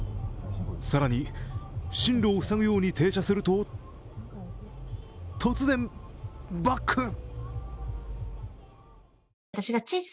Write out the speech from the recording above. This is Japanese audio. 更に進路を塞ぐように停車すると、突然バック！